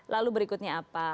lalu berikutnya apa